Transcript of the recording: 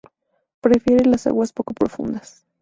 Prefieren las aguas poco profundas.